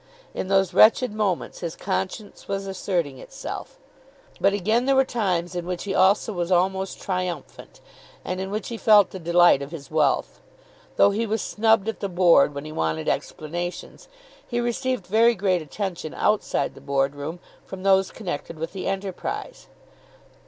In those wretched moments his conscience was asserting itself. But again there were times in which he also was almost triumphant, and in which he felt the delight of his wealth. Though he was snubbed at the Board when he wanted explanations, he received very great attention outside the board room from those connected with the enterprise.